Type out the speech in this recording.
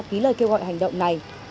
ký lời kêu gọi hành động này